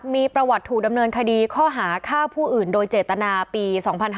มีประวัติถูกดำเนินคดีข้อหาฆ่าผู้อื่นโดยเจตนาปี๒๕๕๙